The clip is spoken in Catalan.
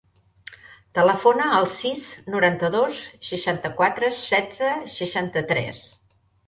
Telefona al sis, noranta-dos, seixanta-quatre, setze, seixanta-tres.